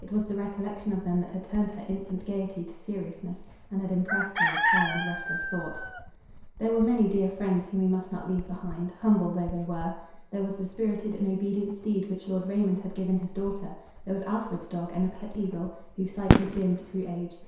It was the recollection of them that had turned her infant gaiety to seriousness, and had impressed her with high and restless thoughts. There were many dear friends whom we must not leave behind, humble though they were. There was the spirited and obedient steed which Lord Raymond had given his daughter; there was Alfred's dog and a pet eagle, whose sight was dimmed through age.